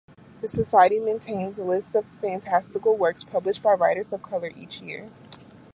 The Society maintains lists of fantastical works published by writers of color each year.